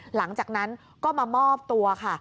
หลังจากนั้นก็มามอบตัวค่ะ